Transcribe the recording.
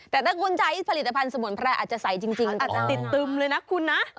แต่ถ้าคุณใช้ผลิตภัณฑ์สมุนไพรอาจจะใสจริงอาจจะติดตึมเลยนะคุณนะ